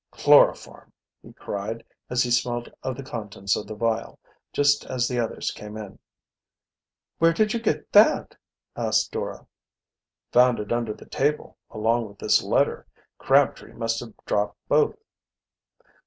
"Chloroform!" he cried, as he smelt of the contents of the vial, just as the others came in. "Where did you get that?" asked Dora. "Found it under the table, along with this letter. Crabtree must have dropped both."